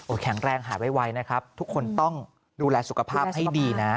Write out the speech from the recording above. แข็งแรงหายไวนะครับทุกคนต้องดูแลสุขภาพให้ดีนะ